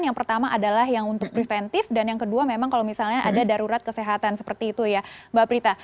yang pertama adalah yang untuk preventif dan yang kedua memang kalau misalnya ada darurat kesehatan seperti itu ya mbak prita